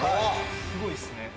すごいっすね。